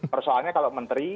persoalannya kalau menteri